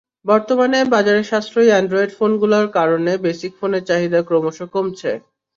বর্তমানে বাজারে সাশ্রয়ী অ্যান্ড্রয়েড ফোনগুলো কারণে বেসিক ফোনের চাহিদা ক্রমশ কমছে।